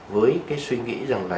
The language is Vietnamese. với cái suy nghĩ rằng là